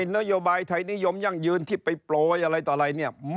นโยบายไทยนิยมยั่งยืนที่ไปโปรยอะไรต่ออะไรเนี่ย